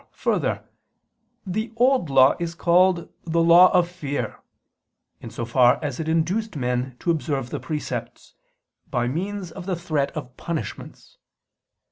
4: Further, the Old Law is called "the law of fear," in so far as it induced men to observe the precepts, by means of the threat of punishments.